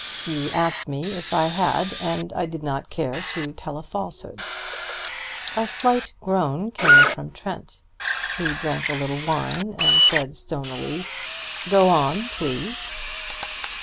You asked me if I had, and I did not care to tell a falsehood." A slight groan came from Trent. He drank a little wine, and said stonily: "Go on, please."